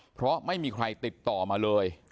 เพราะไม่มีใครติดต่อมาเลย